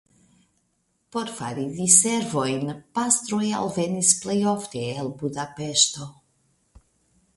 Por fari diservojn pastroj alvenis plej ofte el Budapeŝto.